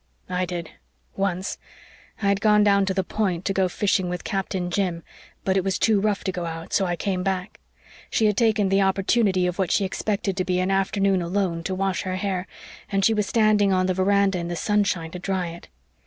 "I did once. I had gone down to the Point to go fishing with Captain Jim but it was too rough to go out, so I came back. She had taken the opportunity of what she expected to be an afternoon alone to wash her hair, and she was standing on the veranda in the sunshine to dry it.